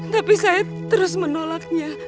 tapi saya terus menolaknya